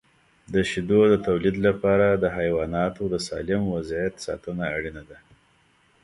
د شیدو د تولید لپاره د حیواناتو د سالم وضعیت ساتنه اړینه ده.